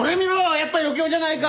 やっぱ余興じゃないか！